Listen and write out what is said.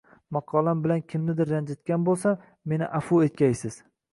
Maqolam bilan kimnidir ranjitgan bo’lsam meni afu etgaysiz